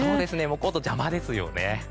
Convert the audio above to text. コートが邪魔ですね。